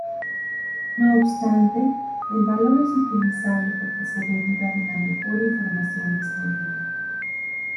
No obstante, el valor es utilizable porque se deriva de la mejor información disponible.